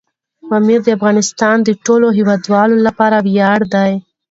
پامیر د افغانستان د ټولو هیوادوالو لپاره ویاړ دی.